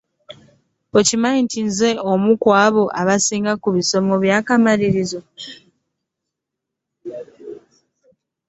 Okimanyi nti nze omu kwabo abaasinga mu bigezo ebyakamalirizo.